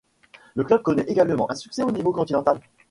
Le club connaît également un succès au niveau continental.